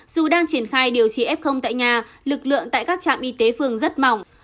dù đang triển khai điều trị f tại nhà lực lượng tại các trạm y tế phường rất mỏng